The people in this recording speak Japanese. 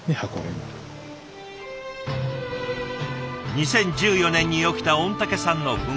２０１４年に起きた御嶽山の噴火。